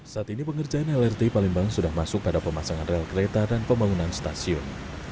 saat ini pengerjaan lrt palembang sudah masuk pada pemasangan rel kereta dan pembangunan stasiun